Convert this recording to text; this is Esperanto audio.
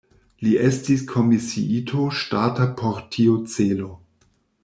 Li estis komisiito ŝtata por tiu celo.